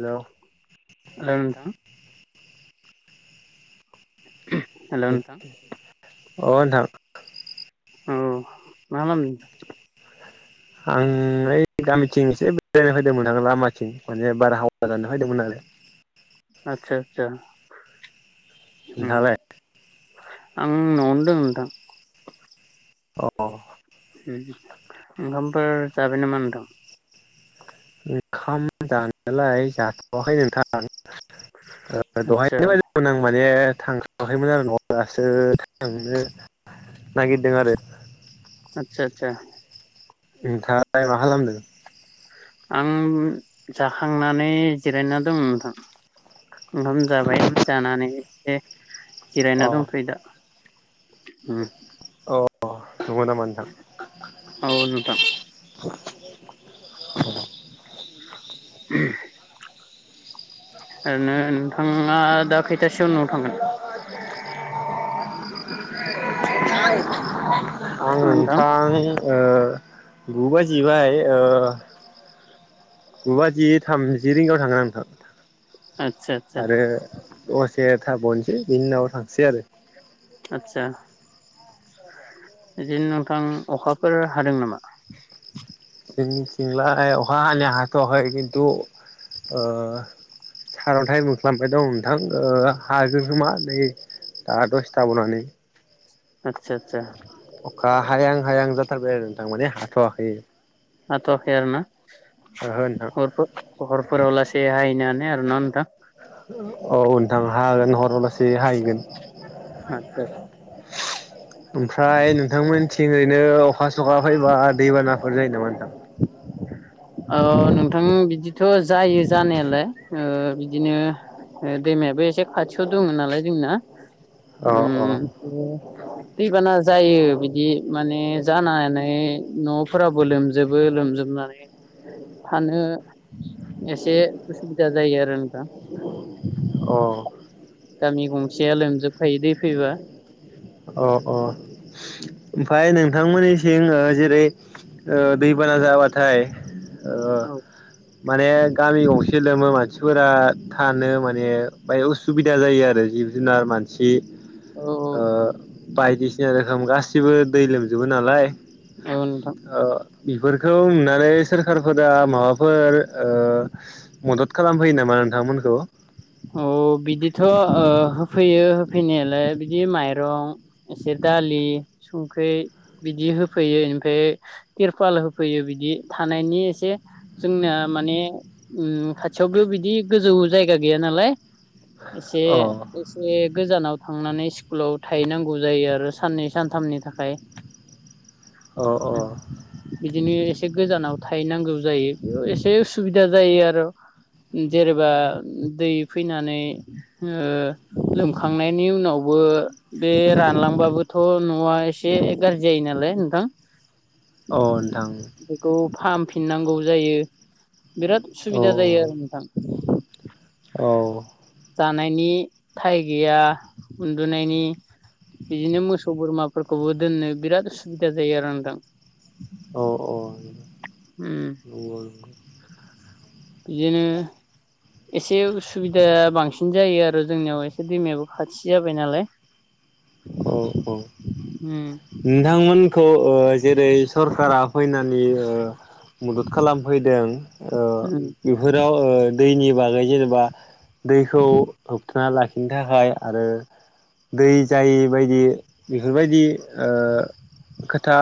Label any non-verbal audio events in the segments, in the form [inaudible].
हेल' औ नोंथां। हेल' नोंथां [unintelligible] अ नोंथां। उम। मा मामि? आङो ओइ गामिथिं एसे बेरायनो फैदोंमोन आं लामाथिं माने बाराहावा जानो फैदोंमोन आरो आतसा आतसा। होम। नोंथाङालाय आं न'आवनो दं नोंथां। [inaudible] अ। उम ओंखामफोर जाबाम नामा नोंथां? ओंखाम जानायालाय जाथ'वाखै नोंथां। ओ आदसा दहायन [unintelligible] माने थांथ'आखैमोन आरो न'आव दासो थांनो नागिरदों आरो। आतसा आतसा। नोंथाङालाय मा खालामदों? आं जाखांनानै जिरायना दं नोंथां। ओंखाम जाबाय जानानै से जिरायना अ दंथ'यो दा। होम। अ। नगौ नामा नोंथां? औ नोंथां [inaudible] [inaudible] [inaudible] ओरैनो नों थाङा दा खैथासोआव न आं [inaudible] [inaudible] आं नोंथां ओ गु बाजिबाय ओ गु बाजि थामजि रिंगायाव थांगोन आं आदसा आदसा नोंथां। आरो दसे थाब'नोसै बिनि उनावाव थांसै आरो। आदसा बिदिनो नोंथां अखाफोर हादों नामा? जोंनिथिंलाय अखा हानाया हाथ'वाखै खिन्थु ओ सारन्थाइ मोख्लाबाय दं नोंथां ओ हागोन खोमा नै दा दसे थाबावनानै। आतसा आतसा। अखा हायां हायां जाथारबाय आरो नोंथां माने हाथ'वाखै। आाथ'आखै आरोना? ओहो नोंथां। [inaudible] फोराव लासे हाहैनो आरो ना नोंथां? से हायैगोन। [unintelligible] ओमफ्राय नोंथांमोनथिं बिदिनो अखा सखा फैबा दैबानाफोर जायो नामा नोंथां अ नोंथां बिदिथ' जायो जानायालाय बिदिनो दैमायाबो एसे खाथियाव दङ नालाय जोंना अ अ [unintelligible] दैबाना जायो बिदि माने जानानै न'फोराबो लोमजोबो लोमजोबनानै थानो एसे उसुबिदा जायो आरो नों दा अ गामि गंसेया लोमजोबखायो दै फैबा अ अ ओमफाय नोंथांमोननिसिम जेरै दैबाना जाबाथाय औ माने गामि गंसे लोमो मानसि मानसिफोरा थानो माने बाय उसुबिदा जायो आरो जिब जुनार मानसि औ ओ बायदिसिना रोखोम गासिबो दै लोमजोबो नालाय औ औ नोंथां ओ बेफोरखौ नुनानै सोरखारफोरा माबाफोर ओ मदद खालामफैयो नामा नोंथांमोनखौ अ बिदिथ' होफैयो होफैनायालाय बिदि माइरं एसे दालि संख्रि बिदि होफैयो ओनिफ्राय तिरपाल होफैयो बिदि थानायनि एसे जोंना माने खाथियावबो बिदि गोजौ जायगा गैया नालाय एसे अ एसे गोजानाव थांनानै स्कुलाव थाहैनांगौ जायो आरो साननै सानथामनि थाखाय अ अ बिदिनो एसे गोजानाव थाहैनांगौ जायो एसे उसुबिदा जायो आरो जेनेबा दै फैनानै लोमखांनायनि उनावबो बे रानलांबाबोथ' न'आ एसे गाज्रि जायो नालाय नोंथां। अ नोंथां। बेखौ फाहामफिननांगौ जायो बिराद औ उसुबिदा जायो आरो नोंथां। औ जानायनि थाइ गैया उन्दुनायनि बिदिनो मोसौ बोरमाफोरखौबो दोननो बिराद उसुबिदा जायो आरो नोंथां। अ औ उम [unintelligible] बिदिनो एसे उसुबिदा बांसिन जायो आरो जोंनियाव एसे दैमायाबो खाथि जाबाय नालाय। औ औ उम नोंथांमोनखौ जेरै सरखारा फैनानै मदद खालामफैदों उम बेफोराव दैनि बागै जेनेबा दैखौ होब थाना लाखिनो थाखाय आरो दै जायि बायदि बेफोरबायदि खोथा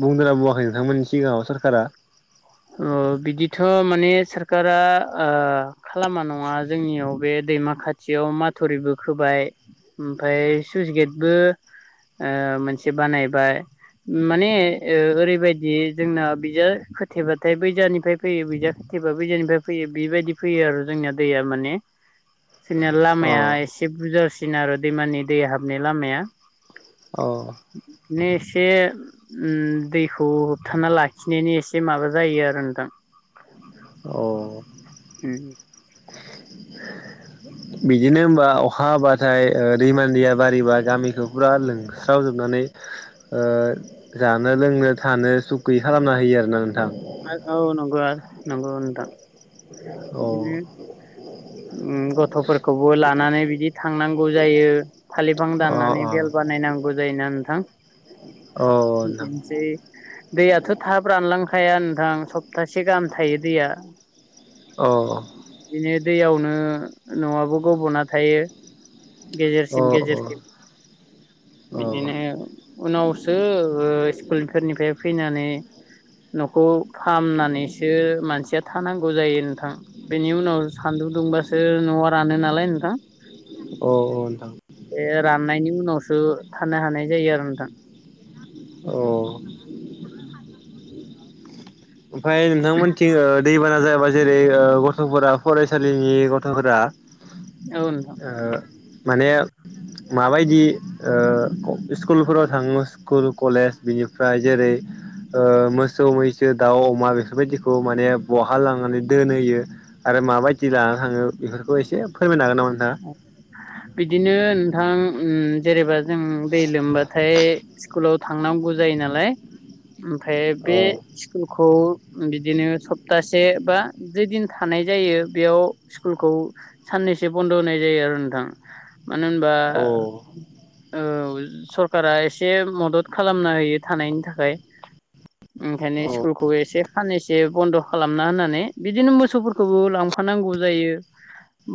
बुंदों ना बुवाखै नोंथांमोननि सिगाङाव सरखारा? अ बिदिथ' माने सखारा खालामा नङा जोंनियाव बे दैमा खाथियाव माथुरिबो खोबाय ओमफ्राय सुइस गेटबो मोनसे बानायबाय माने ओरैबायदि जोंना बिजो खोथेबाथाय बैजानिफ्राय फैयो बैजा खोथेबा बैजानिफ्राय फैयो बेबायदि फैयो आरो जोंना दैया माने। जोंनिया अ लामाया एसे बुरजासि न आरो दैमानि दै हाबनाय लामाया। अ [unintelligible] एसे दैखौ होबथाना लाखिनायनि ए से माबा जायो आरो नोंथां। औ उम बिदिनो होमबा अखा हाबाथाय दैमानि दैया बारिबा गामिखौ फुरा लोंस्रावजोबनानै जानो - लोंनो थानो सुख गैयै खालामना होयो आरो ना नों [unintelligible] औ नंगौ नांगौ नोंथां। अ बिदिनो गथ'फोरखौबो लानानै बिदि थांनांगौ जायो थालिर बिफां अ दाननानै बेेल बानायनांगौ जायोना नोंथां अ नोंथां बिदिनोसै दैयाथ' थाब रानलां खाया नोंथां सप्तासे गाहाम थायो दैया। औ बिदिनो दैयावनो न'आबो गब'ना थायो। अ गेजेरसिम अ गेजेरसिम अ अ बिदिनो उनावसो स्कुल फोरनिफ्राय फैनानै न'खौ फामनानैसो मानसिया थानांगौ जायो नोंथां बेनि उनाव सान्दुं दुंबासो न'आ रानो नालाय नोंथां नोंथां एह राननायनि उनावस थानो हानाय जायो आरो नोंथां औ ओमफ्राय नोंथांमोनथिं ओ दैबाना जायाबा जेरै ओ गथ'फोरा फरायसालिनि गथ'फोरा औ नोंथां ओ माने माबायदि ओ स्कुलफोराव थाङो स्कुल कलेज बिनिफ्राय जेरै ओ मोसौ मैसो दाउ, अमा बेफोरबायदिखौ माने बहा लांनानै दोनहोयो आ [unintelligible] बिदिनो नोंथां उम जेनेबा जों दै लोमबाथाय स्कुलाव थांनांगौ जायो नालाय ओमफ्राय नोंथाङा? बे अ स्कुलखौ बिदिनो सप्तासे बा जिदिन थानाय जायो बेयाव स्कुलखौ साननैसो बन्द' होनाय जायो आरो नोंथां मानो होनबा औ औ सरकारा एसे मदद खालामना होयो थानायनि थाखाय ओंखायनो स्कुलखौ एसे साननैसो बन्द' खालामना होननानै बिदिनो मोसौफोरखौबो लांफानांगौ जायो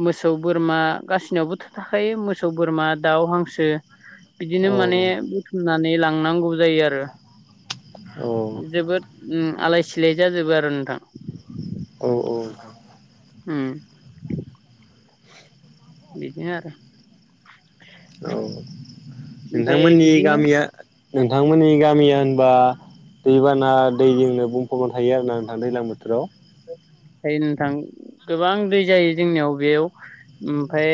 मोसौ बोरमा गासिनावबो थाखायो मोसौ बोरमा दाउ हांसो बिदिनो माने औ बुथुमनानै लां थांनांगौ जायो आरो औ जोबोद उम आलायसि सिलाय जाजोबो आरो नोंथां औ औ उम बिदिनो आरो औ ओमफ्राय नोंथांमोननि बिदिनो गामिया नोंथांमोननि गामिया होनबा दैबाना दैजोंनो बुंफबना थायो आरोना नोंथां दैलां बोथोराव ओमफ्राय नोंथां गोबां दै जायो जोंनियाव बेयाव ओमफ्राय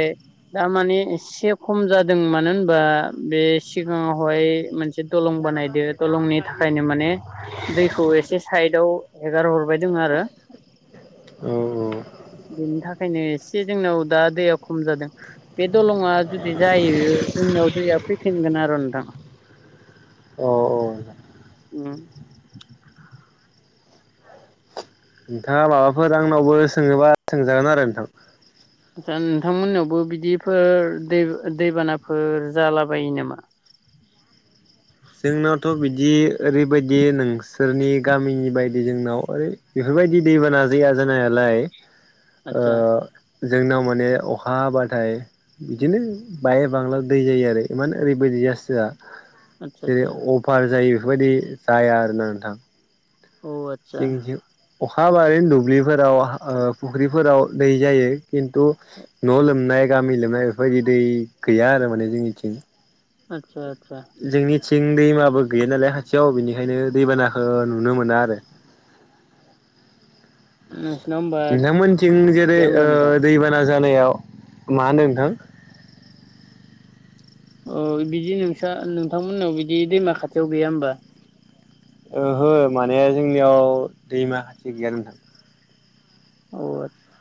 दामाने एसे खम जादों मानो होनबा बे सिगाङावहाय मोनसे दलं बानायदो दलंनि थाखायनो माने दैखौ एसे साइदआव हेगार हरबाय दङ आरो औ बिनि था खायनो एसे जोंनाव दा दैया खम जादों बे दलङा जुदि जायो जोंनियाव दैया फैफिनगोन आरो नोंथां। अह औ ओम। नोंथाङा माबाफोर आंनावबो सोङोबा सोंजागोन आरो नोंथां। दा नोंथांमोन नावबो बिदिफोर दै दैबानाफोर जालाबायो नामा? जोंनावथ' बि दि ओरैबायदि नोंसोरनि गामिनि बायदि जोंनाव ओरै बेफोरबायदि दैबाना जाया जानायालाय। ओ आतसा जोंनाव माने अखा हाबाथाय बिदिनो बाय बांला दै जायो आरो इमान ओरैबायदि जासोआ। आतसा जेरै आतसा अभार जायो । बेफोरबायदि जाया आरोना नोंथां। औ आतसा जोंनिथिं अ खा हाबाय दुब्लिफोराव ओ फुख्रिफोराव दै जायो खिन्थु न' लोमनाय गामि लोमनाय बेफोरबायदि दै गैया आरो माने जोंनिथिं। आच्छा। जोंनिथिं दैमाबो गैया नालाय खाथियाव बेनिखायनो दैबानाखो नुनो मोना आरो। नोंसिनाव होमबा नोंथांमोनथिं जेरै गैया ओ होमबा नोंथां दैबाना जानायाव। मा होनदों नोंथां? अ बिदि नोंसा नोंथांमोननाव बिदि दैमा खाथियाव गैया होमबा? ओहो माने जोंनियाव दैमा खाथि गैया नोंथां। अ आच्छा।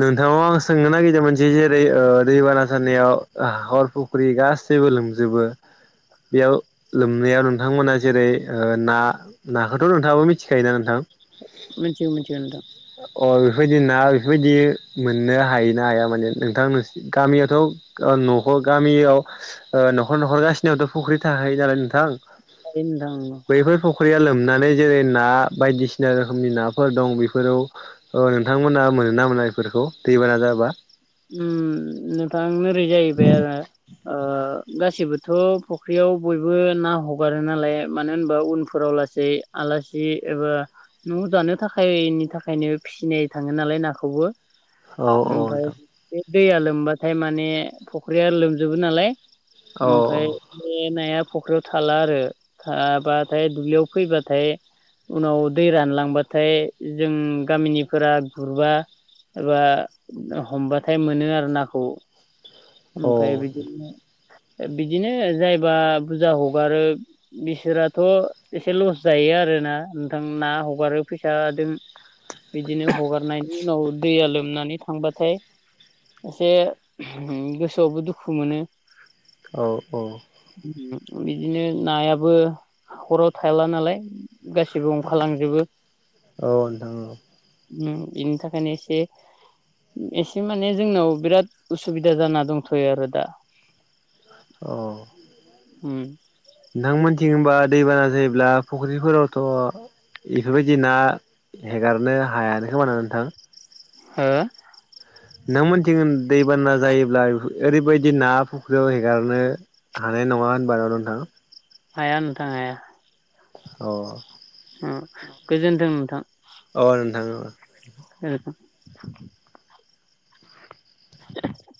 नोंथांनाव आं सोंनो नागिरदोंमोन जि जेरै ओ दैबाना जानायाव हाखर फुख्रि गासैबो लोमजोबो बेयाव लोमनायाव नोंथांमोना जेरै ओ ना नाखौथ' नोंथाङाबो मिथिखायोना नोंथां? मोनथियो मोनथियो नोंथां। अ बेफोरबायदि ना बेफोरबायदि मोननो हायो ना हाया माने नोंथां नोंस गामियावथ' ओ न'खर गामियाव ओ न'खर न'खर गासिनियावथ' फख्रि थाखायो नालाय नोंथां । थारैनो नोंथां नोंगौ। नानै जेरै ना बायदिसिना रोखोमनि नाफोर दं बे फोराव ओ‌ नोंथांमोना मोनोना मोना बेफोरखौ दैबाना जाबा? उम नोंथां ओरै जाहैबाय आरो ओ गासिबोथ' फख्रियाव बयबो ना हगारो नालाय मानो होनबा उनफोराव लासै आलासि एबा न' दानो थाखायनि थाखायनो फिसिनाय थाङो नालाय नाखौबो । औ औ‌ नोंथां । बे दैया लोमबाथाय माने फख्रिया लोमजोबो नालाय । औ ओमफाय बे नाया फख्रियाव थाला आरो थाबाथाय दुब्लियाव फैबाथाय उनाव दै रानलांबाथाय जों गामिनिफोरा गुरबा एबा हमबाथाय मोनो आरो नाखौ । औ ओमफाय बिदिनो‌ ओ बिदिनो जायबा बुरजा हगारो बिसोराथ' एसे लस जायो आरोना नोंथां ना हगारो फैसाजों । बिदिनो हगारनायनि उनाव दैया लोमनानै थांबाथाय एसे गोसोआवबो दुखु मोनो । औ औ। बिदिनो नायाबो हाखराव थाला नालाय गासिबो ओंखारालांजोबो। औ नोंथां ओम बिदि थाखायानि एसे। एसे माने जोंनाव बिराद उसुबिदा जाना दंथ'यो आरो दा । औ। उम । नोंथांमोनथिं होनबा दैबाना जायोब्ला फुख्रिफोरावथ' इफोरबायदि ना हेगारनो हायानो खोमाना नोंथां? हो? नोंमोनथिगोन दैबाना जायोब्ला ओरैबायदि ना फुख्रियाव हेगारनो हानाय नङा होनबा नोंथाङा । हाया नोंथां हाया। अ । अ गोजोन्थों नोंथां । अ [inaudible] ओ। [inaudible]